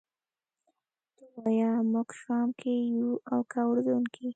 ته ووایه موږ شام کې یو او که اردن کې.